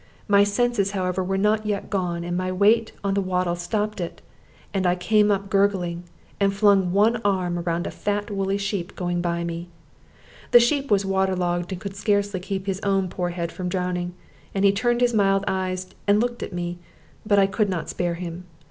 My senses, however, were not yet gone, and my weight on the wattle stopped it, and I came up gurgling, and flung one arm round a fat, woolly sheep going by me. The sheep was water logged, and could scarcely keep his own poor head from drowning, and he turned his mild eyes and looked at me, but I could not spare him.